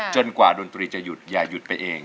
กว่าดนตรีจะหยุดอย่าหยุดไปเอง